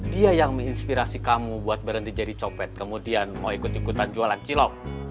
dia yang menginspirasi kamu buat berhenti jadi copet kemudian mau ikut ikutan jualan cilok